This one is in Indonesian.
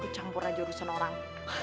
kucampur aja urusan orang